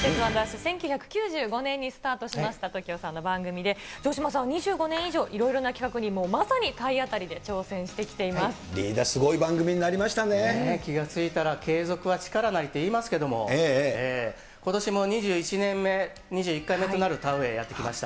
１９９５年にスタートしましたＴＯＫＩＯさんの番組で、城島さん、２５年以上、いろいろな企画にもう、まさに体当たりで挑戦してきていリーダー、すごい番組になりねえ、気が付いたら、継続は力なりって言いますけれども、ことしも２１年目、２１回目となる田植えやってきました。